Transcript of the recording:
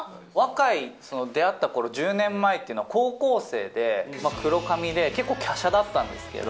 若井、出会ったころ、１０年前っていうのは高校生で、黒髪で結構きゃしゃだったんですけど。